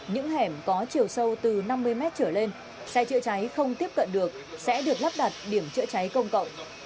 những hẻm có chiều sâu từ năm mươi mét trở lên xe chữa cháy không tiếp cận được sẽ được lắp đặt điểm chữa cháy công cộng